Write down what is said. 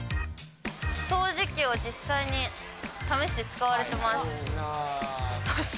掃除機を実際に試して使われてます。